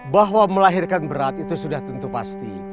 bahwa melahirkan berat itu sudah tentu pasti